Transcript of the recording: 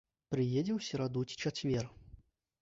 Прыедзе ў сераду ці чацвер.